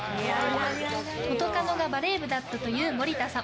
元カノがバレー部だったという森田さん。